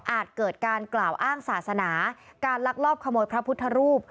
เกิดการกล่าวอ้างศาสนาการลักลอบขโมยพระพุทธรูป